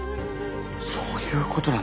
そういうことなんだ。